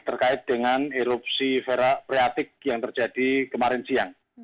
terkait dengan erupsi priatik yang terjadi kemarin siang